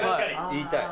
言いたい。